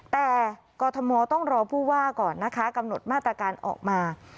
แต่กรทมต้องรอผู้ว่าก่อนนะคะกำหนดมาตรการออกมา